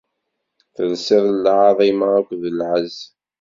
Telsiḍ lɛaḍima akked lɛezz.